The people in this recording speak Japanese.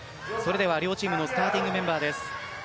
それでは両チームのスターティングメンバーです。